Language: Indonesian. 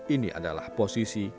ini adalah posisi